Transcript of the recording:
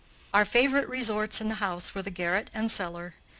Our favorite resorts in the house were the garret and cellar.